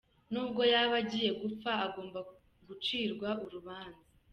Nubwo yaba agiye gupfa, agomba gucirwa urubanza.